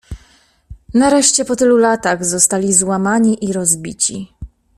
"Nareszcie, po tylu latach, zostali złamani i rozbici."